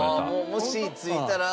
もし付いたら。